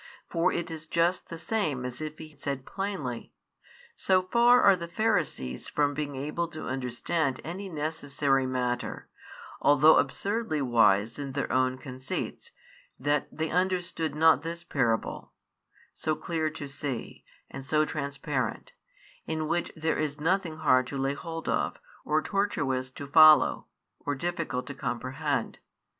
For it is just the same as if he said plainly: So far are the Pharisees from being able to |66 understand any necessary matter, although absurdly wise in their own conceits, that they understood not this parable, so clear to see, and so transparent, in which there is nothing hard to lay hold of, or tortuous to follow, or difficult to comprehend.